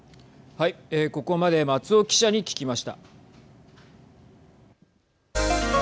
ここまで松尾記者に聞きました。